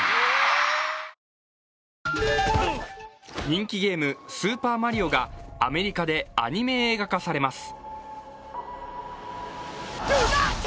人気ゲーム「スーパーマリオ」がアメリカでアニメ映画化されます。